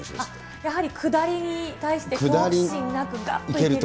やはり下りに対して恐怖心なくだっといけると。